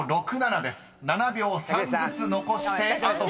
［７秒３ずつ残してあと２人］